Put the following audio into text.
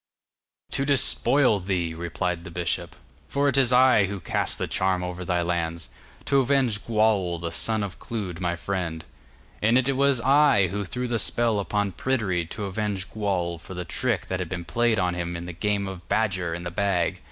'To despoil thee,' replied the bishop, 'for it is I who cast the charm over thy lands, to avenge Gwawl the son of Clud my friend. And it was I who threw the spell upon Pryderi to avenge Gwawl for the trick that had been played on him in the game of Badger in the Bag.